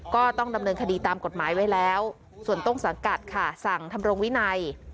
ก็ต้องดำเนินคดีตามกฎหมายไว้แล้วส่วนต้นสังกัดค่ะสั่งทำรงวินัย